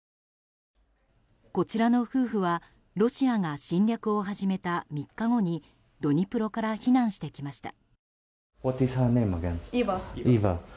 こちらの夫婦はロシアが侵略を始めた３日後にドニプロから避難してきました。